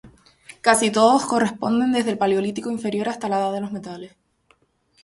Casi todos corresponden desde el Paleolítico inferior hasta la edad de los metales.